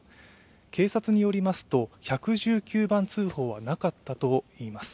警察によりますと１１９番通報はなかったといいます。